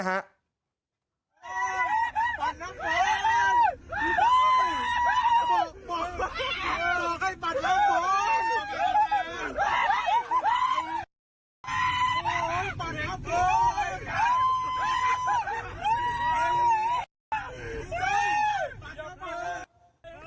เฮ้ย